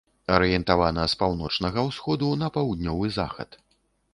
Арыентавана з паўночнага ўсходу на паўднёвы захад.